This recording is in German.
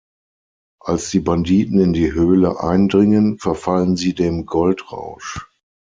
Als die Banditen in die Höhle eindringen, verfallen sie dem Goldrausch.